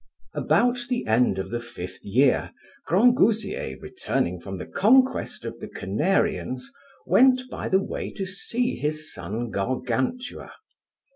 About the end of the fifth year, Grangousier returning from the conquest of the Canarians, went by the way to see his son Gargantua.